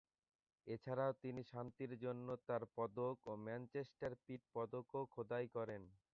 এছাড়াও তিনি শান্তির জন্য তাঁর পদক এবং ম্যানচেস্টার পিট পদকও খোদাই করেন।